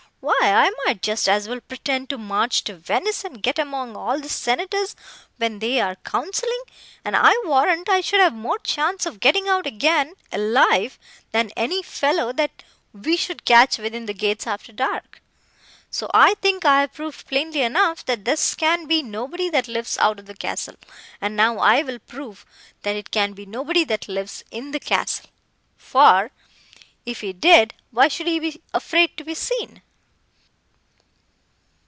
Why, I might just as well pretend to march to Venice, and get among all the Senators, when they are counselling; and I warrant I should have more chance of getting out again alive, than any fellow, that we should catch within the gates after dark. So I think I have proved plainly enough, that this can be nobody that lives out of the castle; and now I will prove, that it can be nobody that lives in the castle—for, if he did—why should he be afraid to be seen?